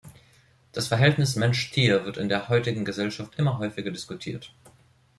Das Verhältnis Mensch-Tier wird in der heutigen Gesellschaft immer häufiger diskutiert.